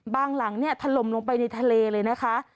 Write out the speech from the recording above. บ้างหลังทะลมลงไปในทะเลเลยนะคะ